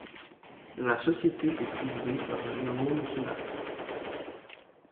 La société est présidée par Jérôme Kinas.